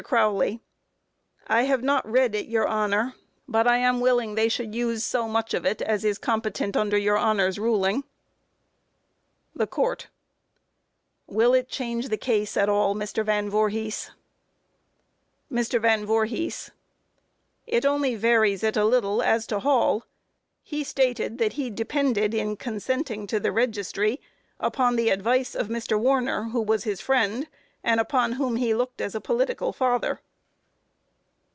CROWLEY: I have not read it, your Honor, but I am willing they should use so much of it as is competent under your Honor's ruling. THE COURT: Will it change the case at all, Mr. Van Voorhis? MR. VAN VOORHIS: It only varies it a little as to Hall. He stated that he depended in consenting to the registry, upon the advice of Mr. Warner, who was his friend, and upon whom he looked as a political father.